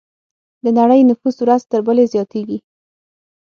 د نړۍ نفوس ورځ تر بلې زیاتېږي.